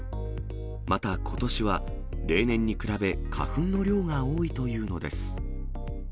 またことしは、例年に比べ花粉の量が多いというのです。